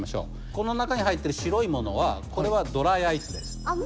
この中に入ってる白いものはこれはドライアイスです。